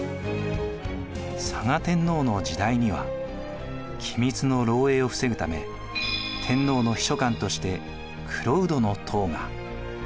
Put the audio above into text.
嵯峨天皇の時代には機密の漏えいを防ぐため天皇の秘書官として蔵人頭が。